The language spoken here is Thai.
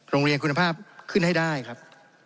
โรงเรียนคุณภาพขึ้นให้ได้ครับ